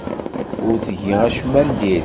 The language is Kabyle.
Ur tgi acemma n diri.